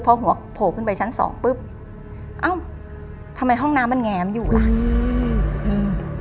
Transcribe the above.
พอหัวโผล่ขึ้นไปชั้นสองปุ๊บเอ้าทำไมห้องน้ำมันแง้มอยู่ล่ะอืมอืม